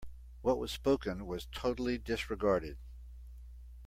What was spoken was totally disregarded.